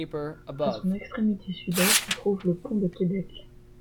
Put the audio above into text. À son extrémité sud-est se trouve le Pont de Québec.